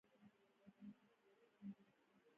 غول د امیندوارۍ خبرونه ورکوي.